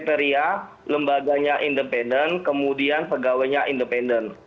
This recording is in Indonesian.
kriteria lembaganya independen kemudian pegawainya independen